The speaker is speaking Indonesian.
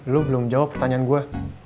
lu belum jawab pertanyaan gue